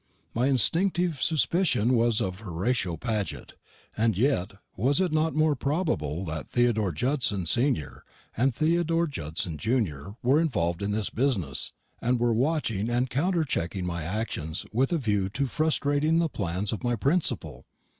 My instinctive suspicion was of Horatio Paget. And yet, was it not more probable that Theodore Judson, senr. and Theodore Judson, junr. were involved in this business, and were watching and counterchecking my actions with a view to frustrating the plans of my principal?